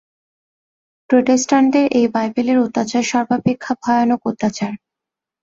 প্রটেস্টাণ্টদের এই বাইবেলের অত্যাচার সর্বাপেক্ষা ভয়ানক অত্যাচার।